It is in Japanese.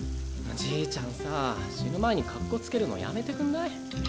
じいちゃんさ死ぬ前にかっこつけるのやめてくんない？